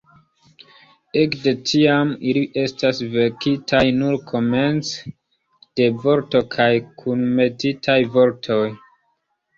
Ekde tiam, ili estas verkitaj nur komence de vorto kaj kunmetitaj vortoj.